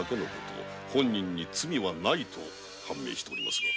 本人に罪はないと判明しておりますが。